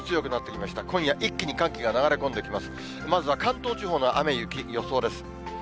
まずは関東地方の雨、雪予想です。